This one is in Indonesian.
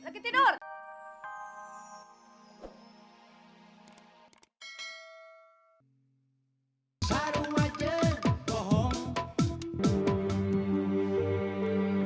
gak ada lagi tidur